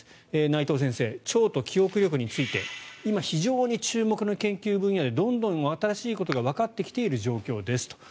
内藤先生、腸と記憶力について今、非常に注目の研究分野でどんどん新しいことがわかってきている状況ですと。